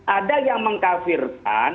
ada yang mengkafirkan